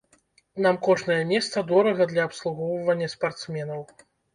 Нам кожнае месца дорага для абслугоўвання спартсменаў.